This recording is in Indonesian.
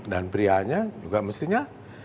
dan prianya juga mestinya